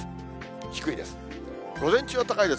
低いです。